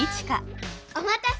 お待たせ！